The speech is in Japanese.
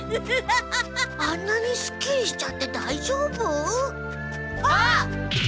あんなにすっきりしちゃってだいじょうぶ？あっ！？